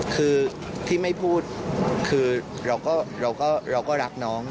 คือที่ไม่พูดคือเราก็รักน้อง